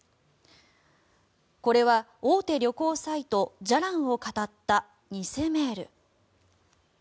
これは大手旅行サイトじゃらんをかたった偽メール。